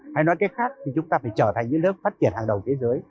hay nói cách khác thì chúng ta phải trở thành những nước phát triển hàng đầu thế giới